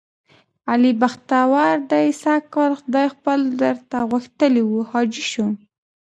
علي بختور دی سږ کال خدای خپل درته غوښتلی و. حاجي شو،